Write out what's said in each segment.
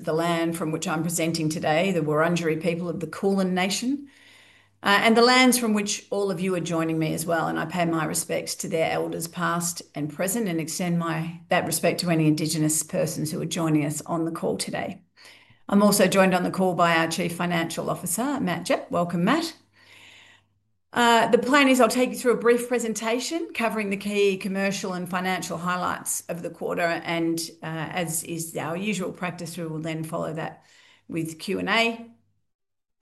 The land from which I'm presenting today, the Wurundjeri people of the Kulin Nation, and the lands from which all of you are joining me as well. I pay my respects to their elders, past and present, and extend that respect to any Indigenous persons who are joining us on the call today. I'm also joined on the call by our Chief Financial Officer, Matt Jepp. Welcome, Matt. The plan is I'll take you through a brief presentation covering the key commercial and financial highlights of the quarter. As is our usual practice, we will then follow that with Q&A.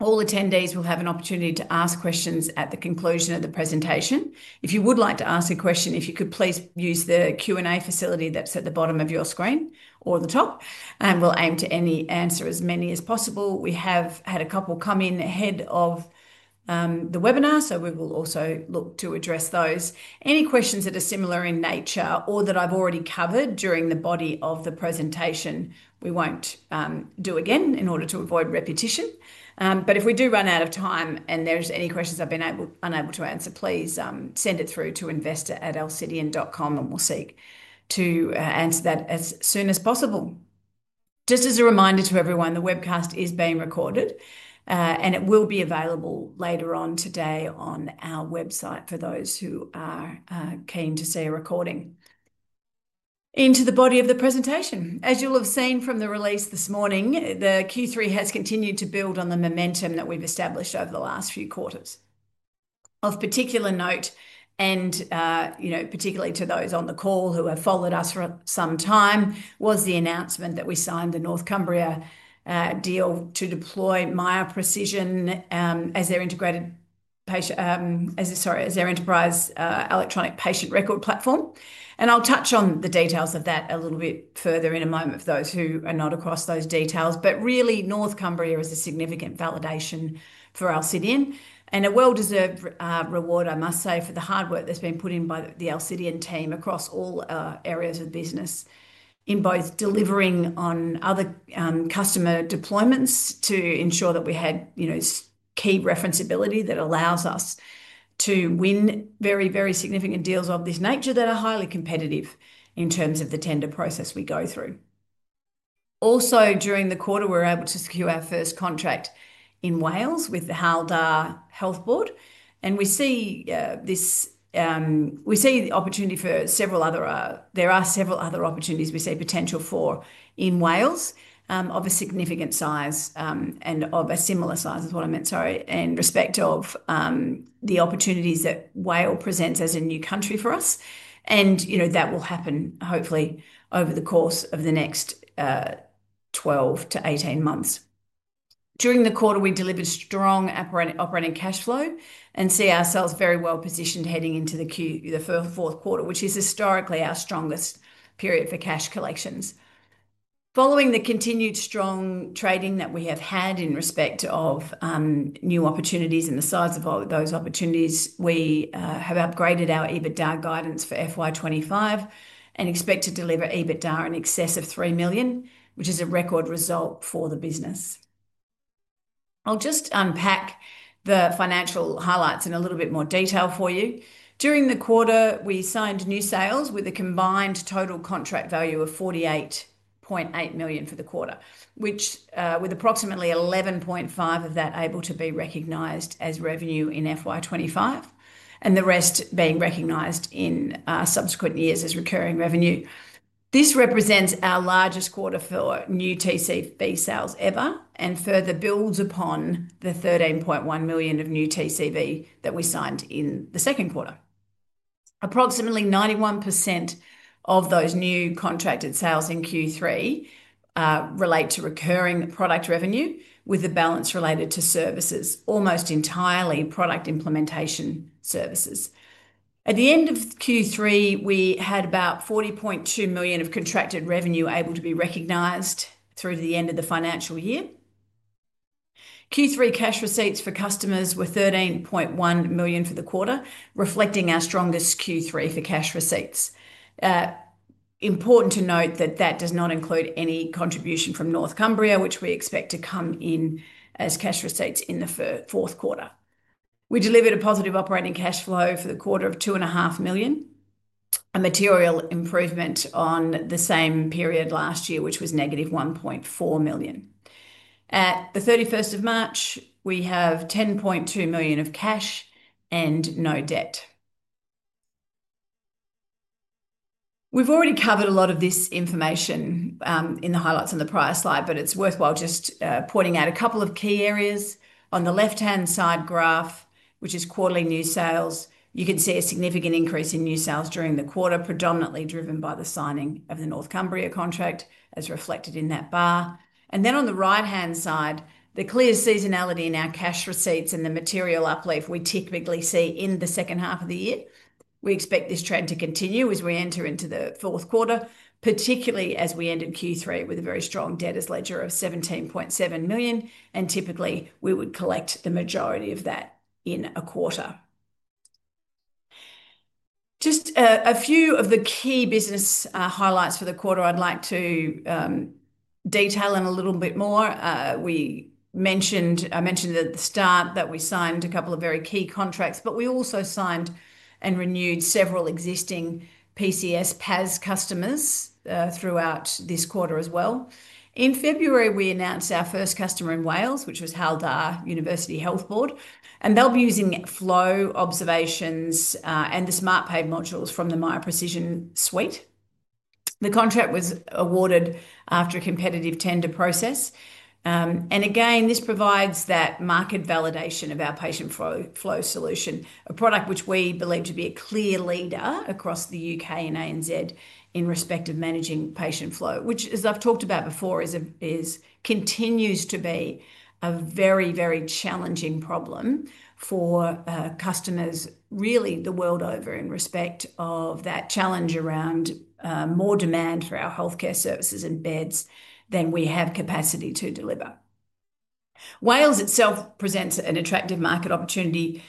All attendees will have an opportunity to ask questions at the conclusion of the presentation. If you would like to ask a question, if you could please use the Q&A facility that's at the bottom of your screen or the top, and we'll aim to answer as many as possible. We have had a couple come in ahead of the webinar, so we will also look to address those. Any questions that are similar in nature or that I've already covered during the body of the presentation, we won't do again in order to avoid repetition. If we do run out of time and there's any questions I've been unable to answer, please send it through to investor@alcidion.com, and we'll seek to answer that as soon as possible. Just as a reminder to everyone, the webcast is being recorded, and it will be available later on today on our website for those who are keen to see a recording. Into the body of the presentation. As you'll have seen from the release this morning, the Q3 has continued to build on the momentum that we've established over the last few quarters. Of particular note, and particularly to those on the call who have followed us for some time, was the announcement that we signed the North Cumbria deal to deploy Miya Precision as their integrated, sorry, as their enterprise electronic patient record platform. I'll touch on the details of that a little bit further in a moment for those who are not across those details. Really, North Cumbria is a significant validation for Alcidion and a well-deserved reward, I must say, for the hard work that's been put in by the Alcidion team across all areas of business, in both delivering on other customer deployments to ensure that we had key referenceability that allows us to win very, very significant deals of this nature that are highly competitive in terms of the tender process we go through. Also, during the quarter, we were able to secure our first contract in Wales with the Hywel Dda Health Board. We see the opportunity for several other—there are several other opportunities we see potential for in Wales of a significant size and of a similar size, is what I meant, sorry, in respect of the opportunities that Wales presents as a new country for us. That will happen, hopefully, over the course of the next 12-18 months. During the quarter, we delivered strong operating cash flow and see ourselves very well positioned heading into the fourth quarter, which is historically our strongest period for cash collections. Following the continued strong trading that we have had in respect of new opportunities and the size of those opportunities, we have upgraded our EBITDA guidance for FY2025 and expect to deliver EBITDA in excess of 3 million, which is a record result for the business. I'll just unpack the financial highlights in a little bit more detail for you. During the quarter, we signed new sales with a combined total contract value of 48.8 million for the quarter, with approximately 11.5 million of that able to be recognized as revenue in FY2025 and the rest being recognized in subsequent years as recurring revenue. This represents our largest quarter for new TCV sales ever and further builds upon the 13.1 million of new TCV that we signed in the second quarter. Approximately 91% of those new contracted sales in Q3 relate to recurring product revenue, with the balance related to services, almost entirely product implementation services. At the end of Q3, we had about 40.2 million of contracted revenue able to be recognized through the end of the financial year. Q3 cash receipts for customers were 13.1 million for the quarter, reflecting our strongest Q3 for cash receipts. Important to note that that does not include any contribution from North Cumbria, which we expect to come in as cash receipts in the fourth quarter. We delivered a positive operating cash flow for the quarter of 2.5 million, a material improvement on the same period last year, which was negative 1.4 million. At the 31st of March, we have 10.2 million of cash and no debt. We've already covered a lot of this information in the highlights on the prior slide, but it's worthwhile just pointing out a couple of key areas. On the left-hand side graph, which is quarterly new sales, you can see a significant increase in new sales during the quarter, predominantly driven by the signing of the North Cumbria contract, as reflected in that bar. On the right-hand side, the clear seasonality in our cash receipts and the material uplift we typically see in the second half of the year. We expect this trend to continue as we enter into the fourth quarter, particularly as we ended Q3 with a very strong debt ledger of 17.7 million. Typically, we would collect the majority of that in a quarter. Just a few of the key business highlights for the quarter I'd like to detail in a little bit more. I mentioned at the start that we signed a couple of very key contracts, but we also signed and renewed several existing PCS PAS customers throughout this quarter as well. In February, we announced our first customer in Wales, which was Hywel Dda University Health Board. They will be using Flow observations and the Smartpage modules from the Miya Precision suite. The contract was awarded after a competitive tender process. This provides that market validation of our patient flow solution, a product which we believe to be a clear leader across the U.K. and ANZ in respect of managing patient flow, which, as I've talked about before, continues to be a very, very challenging problem for customers, really the world over, in respect of that challenge around more demand for our healthcare services and beds than we have capacity to deliver. Wales itself presents an attractive market opportunity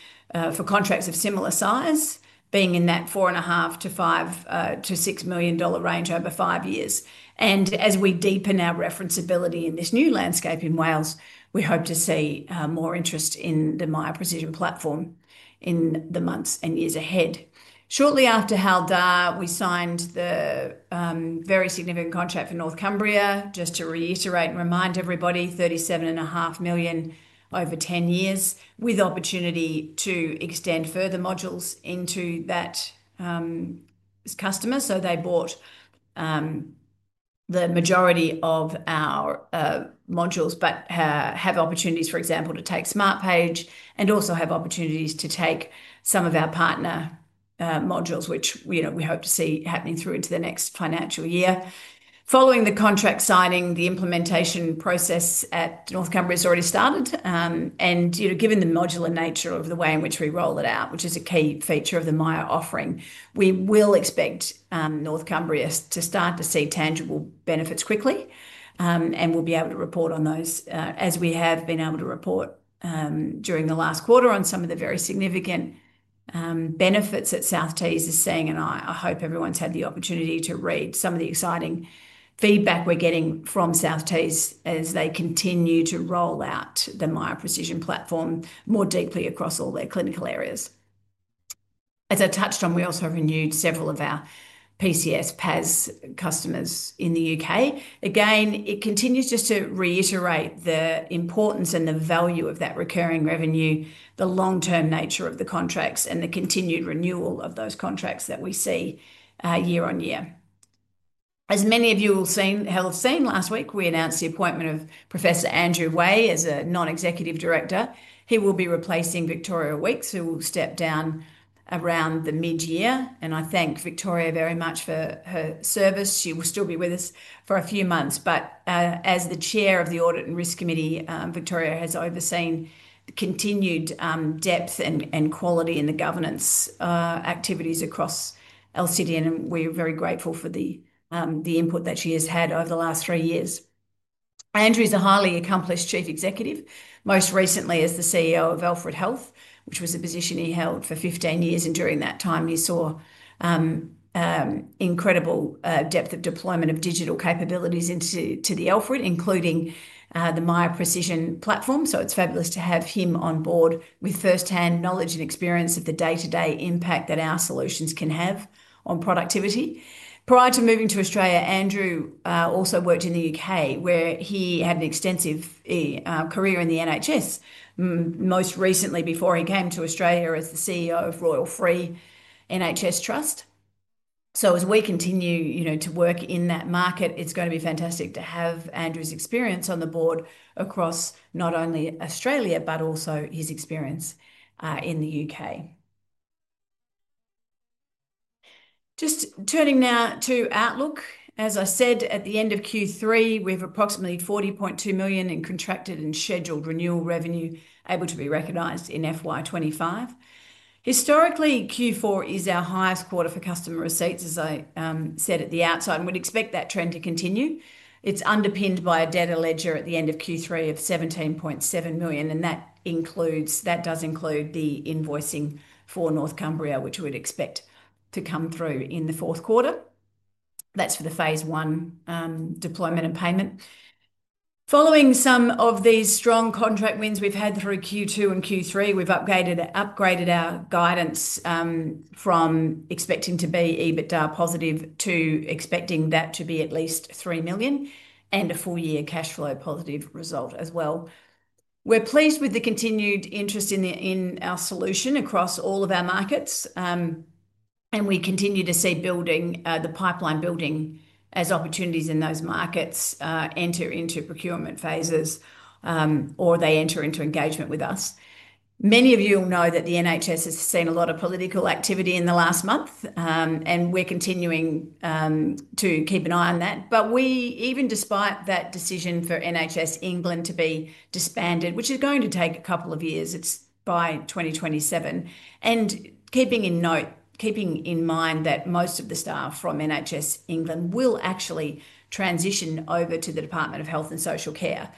for contracts of similar size, being in that 4.5 million-5 million-AUD 6 million range over five years. As we deepen our referenceability in this new landscape in Wales, we hope to see more interest in the Miya Precision platform in the months and years ahead. Shortly after Hywel Dda, we signed the very significant contract for North Cumbria. Just to reiterate and remind everybody, 37.5 million over 10 years, with opportunity to extend further modules into that customer. They bought the majority of our modules but have opportunities, for example, to take Smartpage and also have opportunities to take some of our partner modules, which we hope to see happening through into the next financial year. Following the contract signing, the implementation process at North Cumbria has already started. Given the modular nature of the way in which we roll it out, which is a key feature of the Miya offering, we will expect North Cumbria to start to see tangible benefits quickly and will be able to report on those as we have been able to report during the last quarter on some of the very significant benefits that South Tees is seeing. I hope everyone's had the opportunity to read some of the exciting feedback we're getting from South Tees as they continue to roll out the Miya Precision platform more deeply across all their clinical areas. As I touched on, we also have renewed several of our PCS PAS customers in the U.K. Again, it continues just to reiterate the importance and the value of that recurring revenue, the long-term nature of the contracts, and the continued renewal of those contracts that we see year-on-year. As many of you will have seen last week, we announced the appointment of Professor Andrew Way as a non-executive director. He will be replacing Victoria Weekes, who will step down around the mid-year. I thank Victoria very much for her service. She will still be with us for a few months. As the Chair of the Audit and Risk Committee, Victoria has overseen continued depth and quality in the governance activities across Alcidion, and we are very grateful for the input that she has had over the last three years. Andrew is a highly accomplished Chief Executive, most recently as the CEO of Alfred Health, which was a position he held for 15 years. During that time, he saw incredible depth of deployment of digital capabilities into Alfred, including the Miya Precision platform. It is fabulous to have him on board with firsthand knowledge and experience of the day-to-day impact that our solutions can have on productivity. Prior to moving to Australia, Andrew also worked in the U.K., where he had an extensive career in the NHS, most recently before he came to Australia as the CEO of Royal Free London NHS Foundation Trust. As we continue to work in that market, it's going to be fantastic to have Andrew's experience on the board across not only Australia, but also his experience in the U.K. Just turning now to Outlook. As I said, at the end of Q3, we have approximately 40.2 million in contracted and scheduled renewal revenue able to be recognized in FY2025. Historically, Q4 is our highest quarter for customer receipts, as I said at the outset, and we'd expect that trend to continue. It's underpinned by a debt ledger at the end of Q3 of 17.7 million. That does include the invoicing for North Cumbria, which we'd expect to come through in the fourth quarter. That's for the phase one deployment and payment. Following some of these strong contract wins we've had through Q2 and Q3, we've upgraded our guidance from expecting to be EBITDA positive to expecting that to be at least 3 million and a full-year cash flow positive result as well. We're pleased with the continued interest in our solution across all of our markets, and we continue to see the pipeline building as opportunities in those markets enter into procurement phases or they enter into engagement with us. Many of you will know that the NHS has seen a lot of political activity in the last month, and we're continuing to keep an eye on that. Even despite that decision for NHS England to be disbanded, which is going to take a couple of years, it's by 2027. Keeping in mind that most of the staff from NHS England will actually transition over to the Department of Health and Social Care.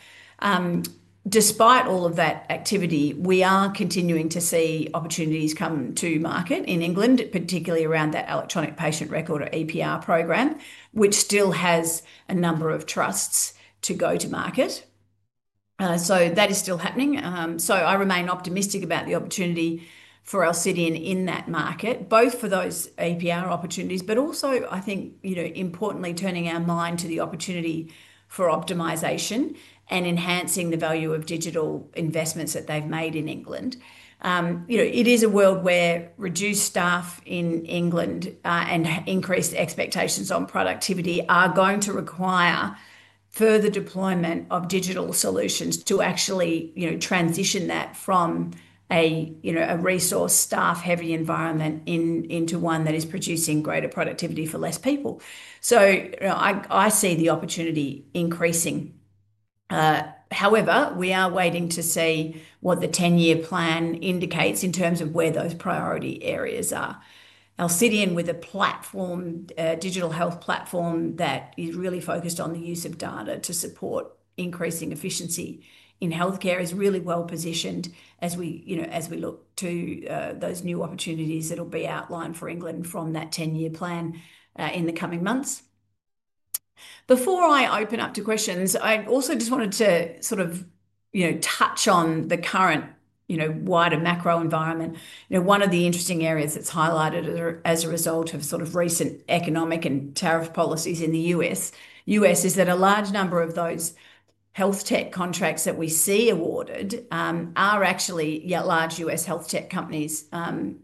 Despite all of that activity, we are continuing to see opportunities come to market in England, particularly around that electronic patient record or EPR program, which still has a number of trusts to go to market. That is still happening. I remain optimistic about the opportunity for Alcidion in that market, both for those EPR opportunities, but also, I think, importantly, turning our mind to the opportunity for optimisation and enhancing the value of digital investments that they've made in England. It is a world where reduced staff in England and increased expectations on productivity are going to require further deployment of digital solutions to actually transition that from a resource staff-heavy environment into one that is producing greater productivity for fewer people. I see the opportunity increasing. However, we are waiting to see what the 10-year plan indicates in terms of where those priority areas are. Alcidion, with a digital health platform that is really focused on the use of data to support increasing efficiency in healthcare, is really well positioned as we look to those new opportunities that will be outlined for England from that 10-year plan in the coming months. Before I open up to questions, I also just wanted to sort of touch on the current wider macro environment. One of the interesting areas that's highlighted as a result of sort of recent economic and tariff policies in the U.S. is that a large number of those health tech contracts that we see awarded are actually large U.S. health tech companies,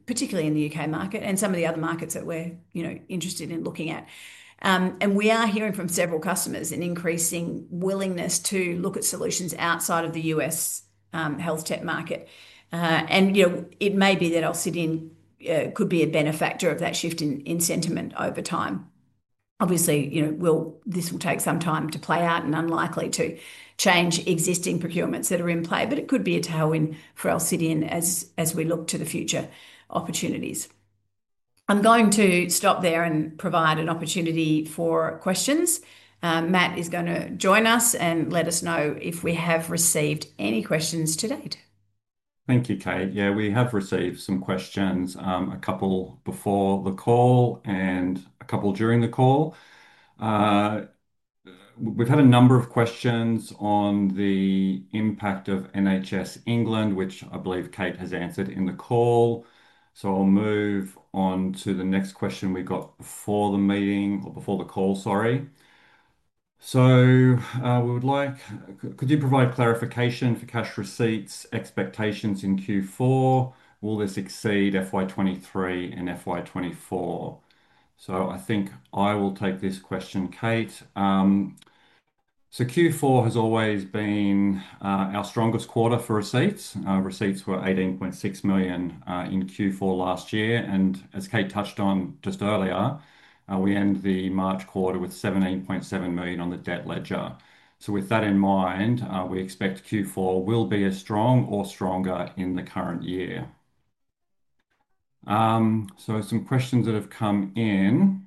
particularly in the U.K. market and some of the other markets that we're interested in looking at. We are hearing from several customers an increasing willingness to look at solutions outside of the U.S. health tech market. It may be that Alcidion could be a benefactor of that shift in sentiment over time. Obviously, this will take some time to play out and is unlikely to change existing procurements that are in play, but it could be a tailwind for Alcidion as we look to future opportunities. I'm going to stop there and provide an opportunity for questions. Matt is going to join us and let us know if we have received any questions to date. Thank you, Kate. Yeah, we have received some questions, a couple before the call and a couple during the call. We've had a number of questions on the impact of NHS England, which I believe Kate has answered in the call. I'll move on to the next question we got before the meeting or before the call, sorry. We would like, could you provide clarification for cash receipts expectations in Q4? Will this exceed FY2023 and FY2024? I think I will take this question, Kate. Q4 has always been our strongest quarter for receipts. Receipts were 18.6 million in Q4 last year. As Kate touched on just earlier, we end the March quarter with 17.7 million on the debt ledger. With that in mind, we expect Q4 will be as strong or stronger in the current year. Some questions have come in,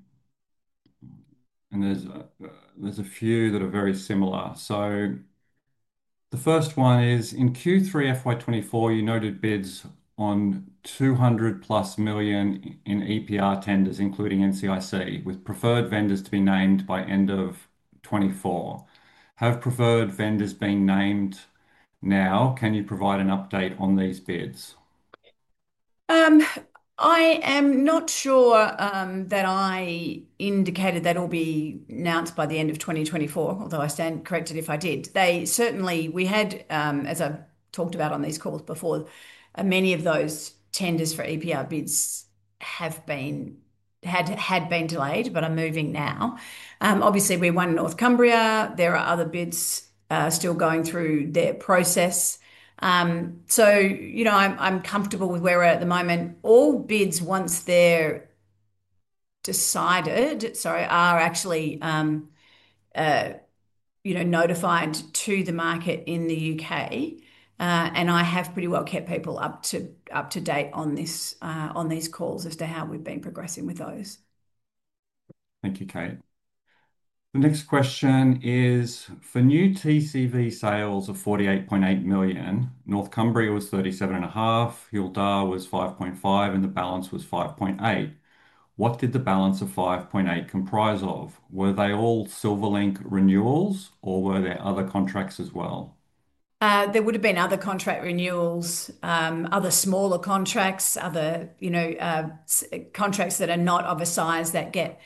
and there's a few that are very similar. The first one is, in Q3 FY2024, you noted bids on 200 million-plus in EPR tenders, including NCIC, with preferred vendors to be named by end of 2024. Have preferred vendors been named now? Can you provide an update on these bids? I am not sure that I indicated that it will be announced by the end of 2024, although I stand corrected if I did. We had, as I talked about on these calls before, many of those tenders for EPR bids had been delayed, but are moving now. Obviously, we won North Cumbria. There are other bids still going through their process. I am comfortable with where we're at the moment. All bids, once they're decided, are actually notified to the market in the U.K. I have pretty well kept people up to date on these calls as to how we've been progressing with those. Thank you, Kate. The next question is, for new TCV sales of 48.8 million, North Cumbria was 37.5 million, Hywel Dda was 5.5 million, and the balance was 5.8 million. What did the balance of 5.8 comprise of? Were they all Silverlink renewals, or were there other contracts as well? There would have been other contract renewals, other smaller contracts, other contracts that are not of a size that get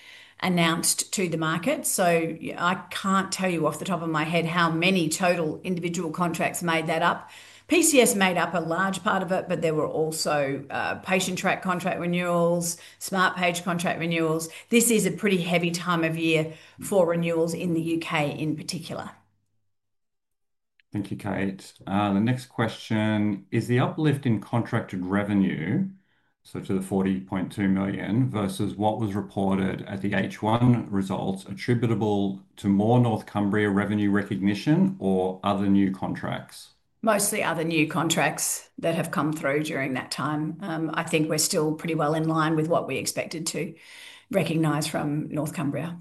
announced to the market. I can't tell you off the top of my head how many total individual contracts made that up. PCS made up a large part of it, but there were also Patientrack contract renewals, Smartpage contract renewals. This is a pretty heavy time of year for renewals in the U.K. in particular. Thank you, Kate. The next question is, the uplift in contracted revenue, to the 40.2 million, versus what was reported at the H1 results, attributable to more North Cumbria revenue recognition or other new contracts? Mostly other new contracts that have come through during that time. I think we're still pretty well in line with what we expected to recognize from North Cumbria.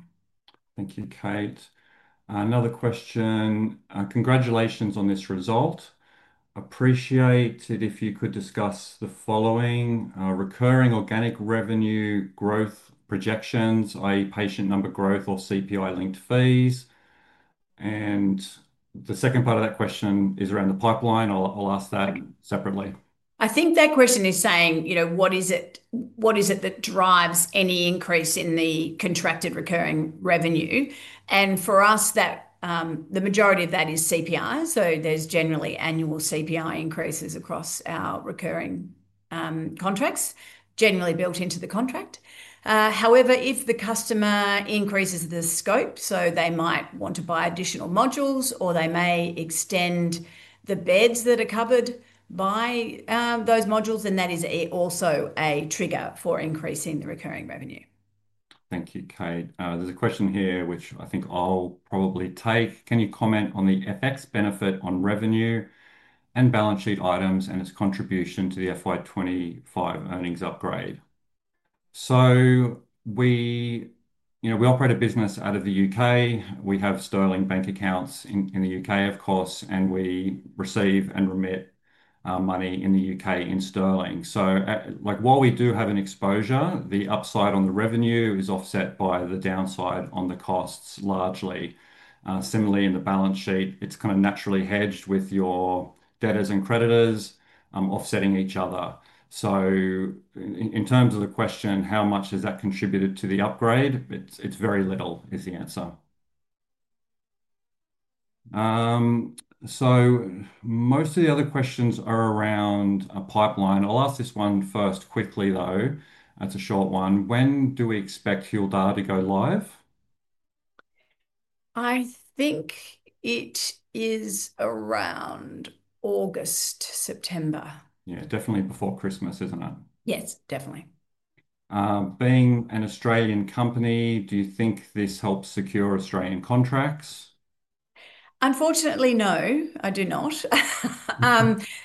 Thank you, Kate. Another question, congratulations on this result. Appreciated if you could discuss the following: recurring organic revenue growth projections, i.e., patient number growth or CPI-linked fees. The second part of that question is around the pipeline. I'll ask that separately. I think that question is saying, what is it that drives any increase in the contracted recurring revenue? For us, the majority of that is CPI. There are generally annual CPI increases across our recurring contracts, generally built into the contract. However, if the customer increases the scope, so they might want to buy additional modules, or they may extend the beds that are covered by those modules, then that is also a trigger for increasing the recurring revenue. Thank you, Kate. There's a question here, which I think I'll probably take. Can you comment on the FX benefit on revenue and balance sheet items and its contribution to the FY25 earnings upgrade? We operate a business out of the U.K. We have sterling bank accounts in the U.K., of course, and we receive and remit money in the U.K. in sterling. While we do have an exposure, the upside on the revenue is offset by the downside on the costs largely. Similarly, in the balance sheet, it's kind of naturally hedged with your debtors and creditors offsetting each other. In terms of the question, how much has that contributed to the upgrade? It's very little, is the answer. Most of the other questions are around a pipeline. I'll ask this one first quickly, though. It's a short one. When do we expect Hywel Dda to go live? I think it is around August, September. Yeah, definitely before Christmas, isn't it? Yes, definitely. Being an Australian company, do you think this helps secure Australian contracts? Unfortunately, no, I do not.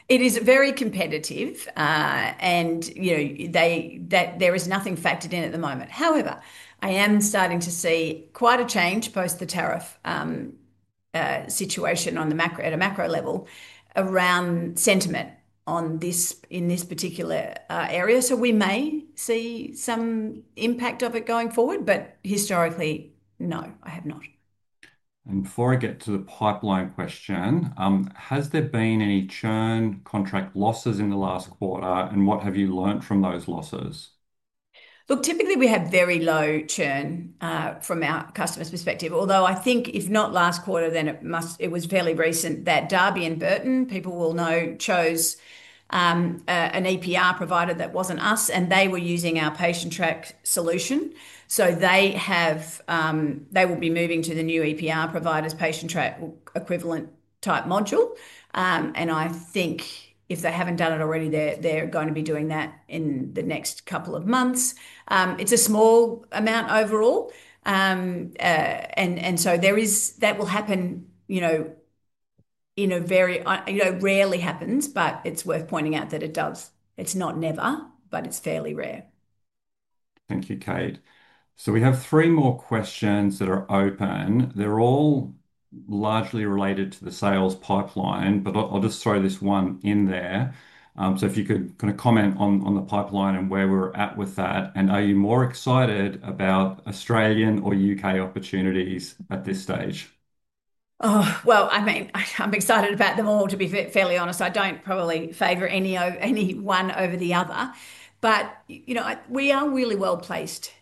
It is very competitive, and there is nothing factored in at the moment. However, I am starting to see quite a change post the tariff situation at a macro level around sentiment in this particular area. We may see some impact of it going forward, but historically, no, I have not. Before I get to the pipeline question, has there been any churn contract losses in the last quarter, and what have you learned from those losses? Look, typically, we have very low churn from our customer's perspective. Although I think, if not last quarter, then it was fairly recent that Darby and Burton, people will know, chose an EPR provider that was not us, and they were using our Patientrack solution. They will be moving to the new EPR provider's Patientrack equivalent type module. I think if they have not done it already, they are going to be doing that in the next couple of months. It is a small amount overall. That will happen. It very rarely happens, but it is worth pointing out that it does. It is not never, but it is fairly rare. Thank you, Kate. We have three more questions that are open. They are all largely related to the sales pipeline, but I will just throw this one in there. If you could kind of comment on the pipeline and where we are at with that. Are you more excited about Australian or U.K. opportunities at this stage? I mean, I'm excited about them all, to be fairly honest. I don't probably favor any one over the other. We are really well placed.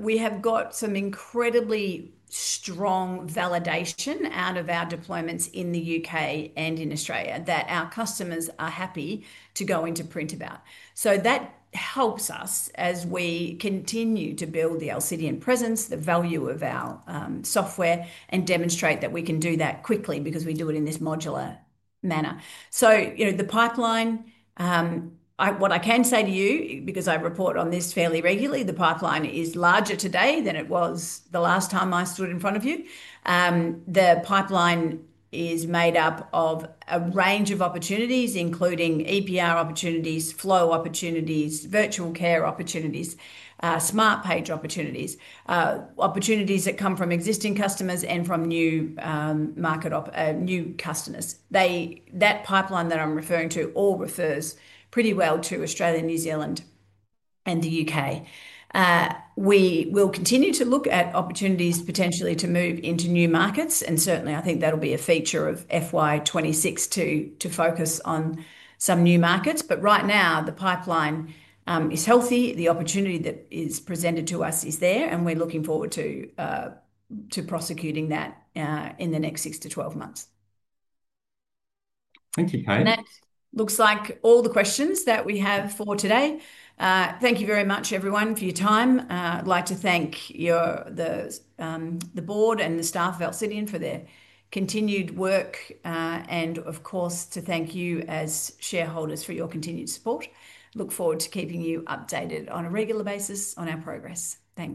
We have got some incredibly strong validation out of our deployments in the U.K. and in Australia that our customers are happy to go into print about. That helps us as we continue to build the Alcidion presence, the value of our software, and demonstrate that we can do that quickly because we do it in this modular manner. The pipeline, what I can say to you, because I report on this fairly regularly, the pipeline is larger today than it was the last time I stood in front of you. The pipeline is made up of a range of opportunities, including EPR opportunities, Flow opportunities, virtual care opportunities, Smartpage opportunities, opportunities that come from existing customers and from new market customers. That pipeline that I'm referring to all refers pretty well to Australia, New Zealand, and the U.K. We will continue to look at opportunities potentially to move into new markets. Certainly, I think that'll be a feature of FY2026 to focus on some new markets. Right now, the pipeline is healthy. The opportunity that is presented to us is there, and we're looking forward to prosecuting that in the next 6-12 months. Thank you, Kate. That looks like all the questions that we have for today. Thank you very much, everyone, for your time. I'd like to thank the board and the staff of Alcidion for their continued work, and of course, to thank you as shareholders for your continued support. Look forward to keeping you updated on a regular basis on our progress. Thanks.